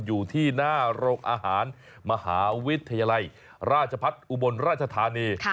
อยู่ที่หน้าโรงอาหารมหาวิทยาลัยราชพัฒน์อุบลราชธานี